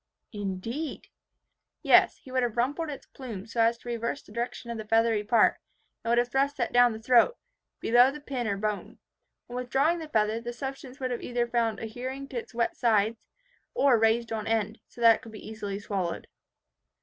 "Indeed!" "Yes, he would have rumpled its plume, so as to reverse the direction of the feathery part, and would have thrust that down the throat, below the pin or bone. On withdrawing the feather, the substance would be either found adhering to its wet sides, or raised on end, so that it could be easily swallowed."